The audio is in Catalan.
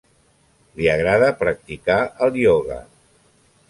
Li agrada practicar el ioga.